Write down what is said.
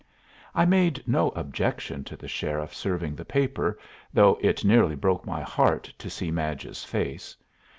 I made no objection to the sheriff serving the paper, though it nearly broke my heart to see Madge's face.